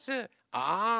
ああ！